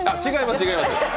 違います。